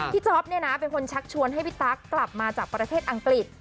จ๊อปเป็นคนชักชวนให้พี่ตั๊กกลับมาจากประเทศอังกฤษ